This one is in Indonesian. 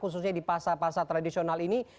khususnya di pasar pasar tradisional ini